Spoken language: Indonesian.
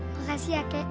makasih ya kek